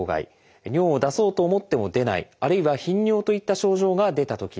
尿を出そうと思っても出ないあるいは頻尿といった症状が出たときです。